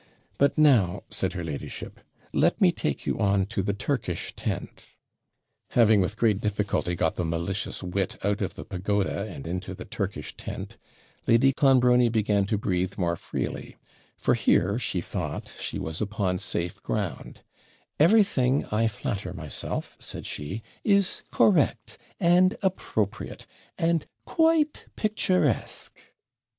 'But now,' said her ladyship, 'let me take you on to the Turkish tent.' Having with great difficulty got the malicious wit out of the pagoda and into the Turkish tent, Lady Clonbrony began to breathe more freely; for here she thought she was upon safe ground: 'Everything, I flatter myself' said she, 'is correct and appropriate, and quite picturesque.'